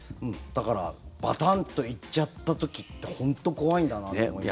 だからバタンといっちゃった時って本当、怖いんだなと思いました。